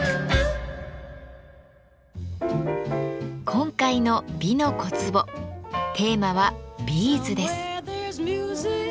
今回の「美の小壺」テーマは「ビーズ」です。